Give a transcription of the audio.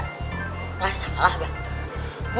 nggak salah abah